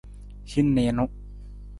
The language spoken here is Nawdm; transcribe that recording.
Hin niinu.